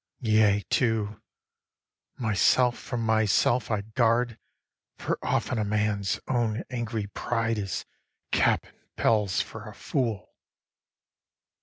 Yea too, myself from myself I guard, For often a man's own angry pride Is cap and bells for a fool.